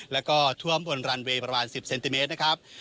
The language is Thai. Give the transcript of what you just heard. แล้วก็ท่วมบนรันเวย์ประมาณ๑๐เซนติเมตรนะครับ